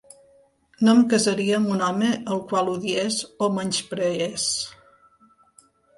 No em casaria amb un home al qual odiés o menyspreés.